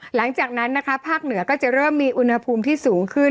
หลังจากนั้นนะคะภาคเหนือก็จะเริ่มมีอุณหภูมิที่สูงขึ้น